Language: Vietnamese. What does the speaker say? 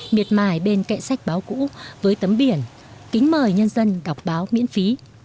miệt mài bên cạnh sách báo cũ với tấm biển kính mời nhân dân đọc báo miễn phí